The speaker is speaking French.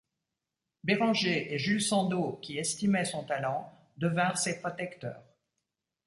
Béranger et Jules Sandeau, qui estimaient son talent, devinrent ses protecteurs.